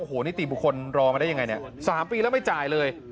โอ้โหนี้ที่บุคคลรอมาได้ยังไงสามปีแล้วไม่จ่ายเลย